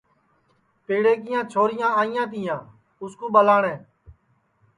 پیڑے کیاں چھوریاں آیا تیا اُس کُو ٻلاٹؔے